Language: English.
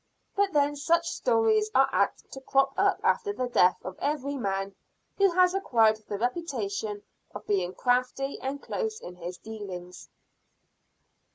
But then such stories are apt to crop up after the death of every man who has acquired the reputation of being crafty and close in his dealings.